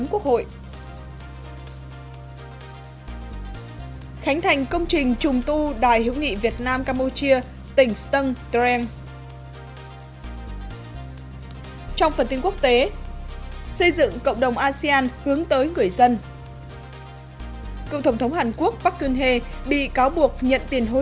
cựu thổng thống hàn quốc park geun hye bị cáo buộc nhận tiền hối lộ của cơ quan tình báo quốc gia